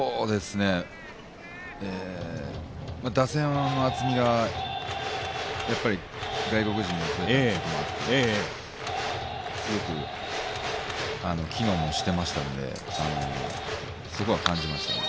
打線は厚みは外国人とかが増えたこともあってすごく機能もしていましたので、そこは感じましたね。